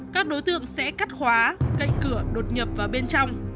các đối tượng sẽ cắt khóa cậy cửa đột nhập vào bên trong